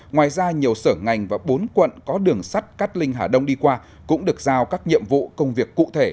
ngoài ra nhiều sở ngành và bốn quận có đường sắt cát linh hà đông đi qua cũng được giao các nhiệm vụ công việc cụ thể